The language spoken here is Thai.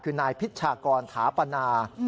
คือนายพิชากรถาปนา